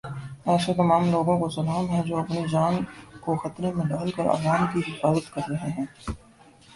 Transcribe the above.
ایسے تمام لوگوں کو سلام ہے جو اپنی جان کو خطرے میں ڈال کر عوام کی حفاظت کر رہے ہیں۔